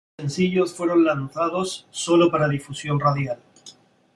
Los sencillos fueron lanzados sólo para difusión radial